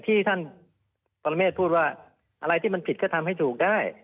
ที่ท่านปรเมฆพูดว่าอะไรที่มันผิดก็ทำให้ถูกได้